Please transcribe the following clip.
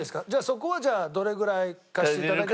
そこはじゃあどれぐらい貸して頂けるかは。